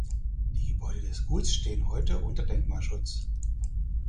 Die Gebäude des Guts stehen heute unter Denkmalschutz.